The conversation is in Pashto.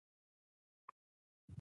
د پیاز تخم کله وکرم؟